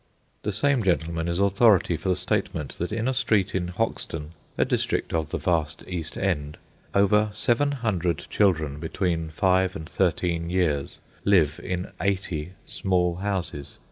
The same gentleman is authority for the statement that in a street in Hoxton (a district of the vast East End), over seven hundred children, between five and thirteen years, live in eighty small houses.